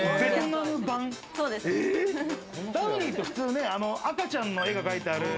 ダウニーって普通、赤ちゃんの絵が描いてある。